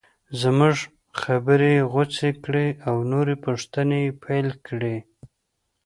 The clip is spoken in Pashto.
زموږ خبرې یې غوڅې کړې او نورې پوښتنې یې پیل کړې.